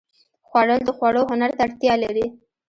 خوړل د خوړو هنر ته اړتیا لري